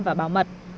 và bảo mật